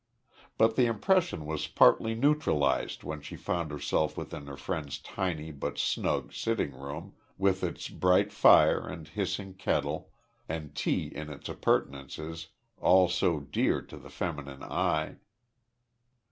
But the impression was partly neutralised when she found herself within her friend's tiny but snug sitting room, with its bright fire, and hissing kettle, and tea and its appurtenances all so dear to the feminine eye.